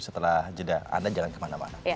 setelah jeda anda jangan kemana mana